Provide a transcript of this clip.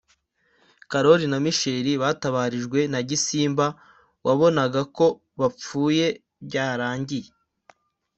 Karoli na Misheli batabarijwe na Gisimba wabonaga ko bapfuye byarangiye